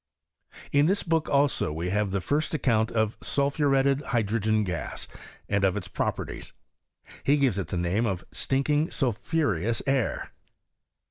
In this book, also, we have the first account of sulphuretted hydrogen gas, and of its properties. He gives it the name of stinking sulphureous air.